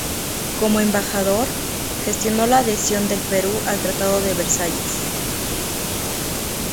Como embajador, gestionó la adhesión del Perú al Tratado de Versalles.